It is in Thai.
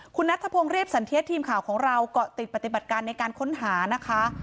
คุณนัทพงศ์เรียบสันเทียดทีมข่าวของเราเกาะติดปฏิบัติการในการค้นหานะคะ